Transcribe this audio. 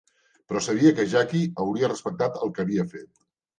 Però sabia que Jackie hauria respectat el que havia fet.